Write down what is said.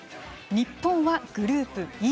日本はグループＥ。